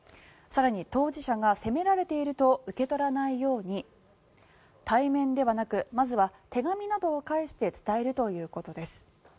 更に当事者が責められていると受け取らないように対面ではなくまずは手紙などを介して伝えるということです。